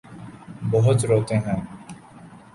بہت روتے ہیں۔